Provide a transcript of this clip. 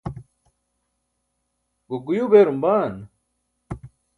gokguyuu beerum baan?